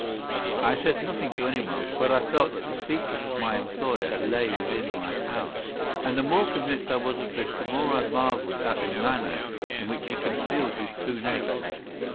I said nothing to anyone, but I felt that the secret of my employer lay within my power. And the more convinced I was of this the more I marvelled at the manner in which he concealed his true nature.